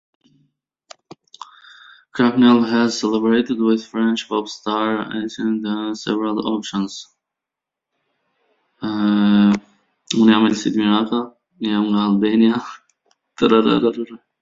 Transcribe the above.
Cracknell has collaborated with French pop star Etienne Daho on several occasions.